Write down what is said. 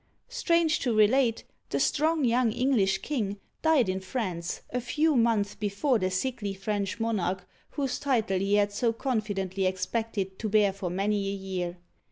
Strange to relate, the strong young English king died in France, a few months before the sickly French monarch whose title he had so confidently expected to bear for many a year.